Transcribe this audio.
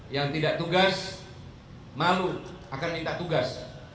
yang tidak tugas malu akan minta tugas